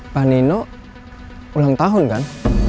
mbak nino ulang tahun kan